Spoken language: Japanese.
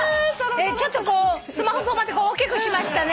ちょっとこうスマホ大きくしましたね。